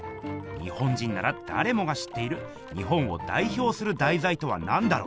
日本人ならだれもが知っている日本をだいひょうするだいざいとはなんだろうか？